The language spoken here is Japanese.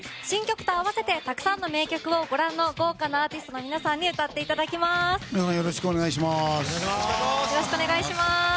新曲と合わせてたくさんの名曲をご覧の豪華アーティストの皆さんに歌っていただきます。